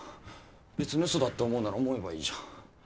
別に嘘だって思うなら思えばいいじゃん。